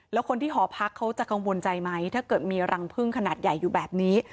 แล้วคนที่หอพักเขาจะกังวลใจไหมถ้าเกิดมีรังพึ่งขนาดใหญ่อยู่แบบนี้